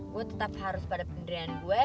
gue tetap harus pada penderian gue